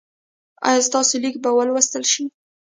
ایا ستاسو لیک به ولوستل شي؟